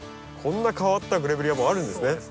こんな変わったグレビレアもあるんですね。